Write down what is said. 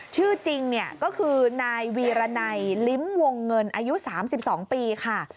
ชื่อจริงเนี่ยก็คือนายวีรนัยลิ้มวงเงินอายุ๓๒ปีค่ะ